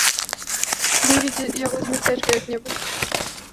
Выведзі яго за мястэчка як-небудзь.